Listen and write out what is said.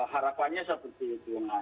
harapannya seperti itu